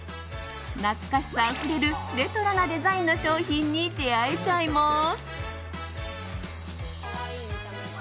懐かしさあふれるレトロなデザインの商品に出会えちゃいます。